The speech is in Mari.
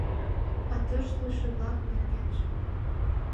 А тӧрштылшӧ-влак нергенже...